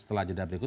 setelah jeda berikut